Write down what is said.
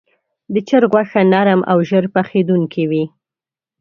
د چرګ غوښه نرم او ژر پخېدونکې وي.